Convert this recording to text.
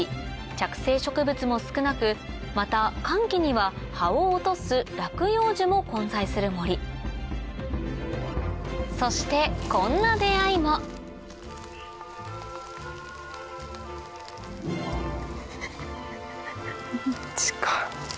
着生植物も少なくまた乾期には葉を落とす落葉樹も混在する森そしてこんな出合いも近っ。